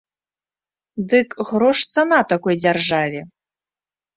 Дык грош цана такой дзяржаве.